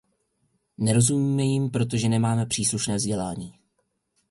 Nerozumíme jim, protože nemáme příslušné vzdělání.